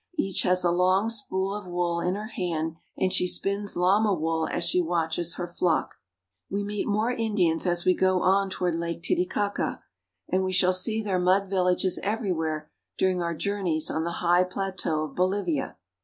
Each has a long spool of wool in her hand, and she spins llama wool as she watches her flock. We meet more Indians as we go on toward Lake Titi caca, and we shall see their mud villages everywhere during our journeys on the high plateau of Bolivia.